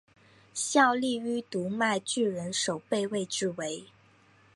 效力于读卖巨人守备位置为。